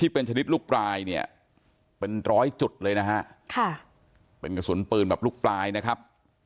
เป็น๑๐๐จุดเลยนะฮะเป็นกระสุนปืนลูกปลายนะครับ